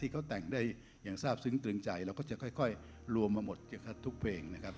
ที่เขาแต่งได้อย่างทราบซึ้งตื่นใจแล้วก็จะค่อยรวมมาหมดเกี่ยวกับทุกเพลงนะครับ